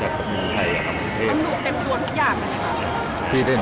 มันเหมียวคือแต่มีเยียมซักอย่าง